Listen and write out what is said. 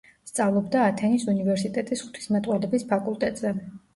სწავლობდა ათენის უნივერსიტეტის ღვთისმეტყველების ფაკულტეტზე.